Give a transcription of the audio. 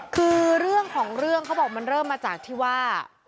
คือเรื่องของเรื่องเขาบอกมันเริ่มมาจากที่ว่า